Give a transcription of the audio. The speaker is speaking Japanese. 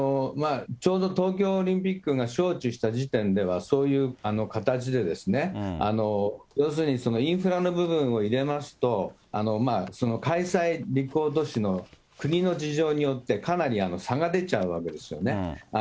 ちょうど東京オリンピックが招致した時点では、そういう形で、要するにインフラの部分を入れますと、その開催立候補都市の国の事情によって、かなり差が出ちゃうわけですよね。